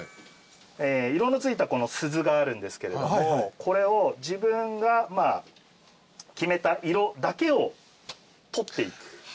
色の付いたこの鈴があるんですけれどもこれを自分が決めた色だけを取っていく。